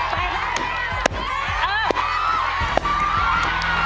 นี่ก็ยิ่งแล้วนะฮะ